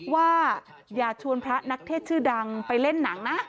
ว่าอย่าชวนพระนักเทศชื่อดังไปเล่นหนังนะ